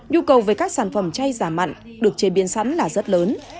nhu cầu về các sản phẩm chay giả mặn được chế biến sẵn là rất lớn